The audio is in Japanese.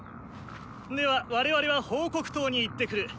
では我々は報告筒に行ってくる。